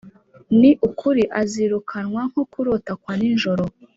ni ukuri azirukanwa nko kurota kwa nijoro